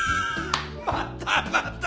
またまた。